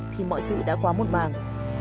thì mọi sự đã quá muộn màng